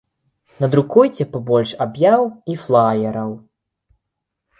Надрукуйце пабольш аб'яў і флаераў.